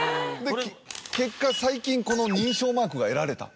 結果最近この認証マークが得られた。